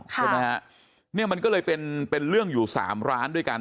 ใช่ไหมฮะเนี่ยมันก็เลยเป็นเป็นเรื่องอยู่สามร้านด้วยกัน